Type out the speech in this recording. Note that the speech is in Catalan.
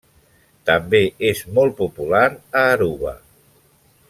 També és molt popular a Aruba.